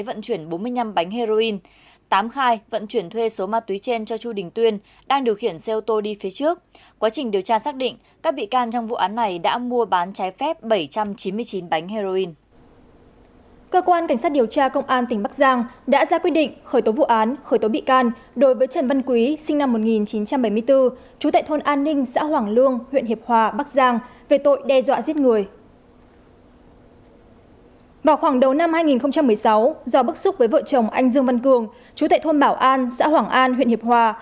vào khoảng đầu năm hai nghìn một mươi sáu do bức xúc với vợ chồng anh dương văn cường chú tại thôn bảo an xã hoàng an huyện hiệp hòa